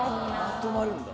まとまるんだ。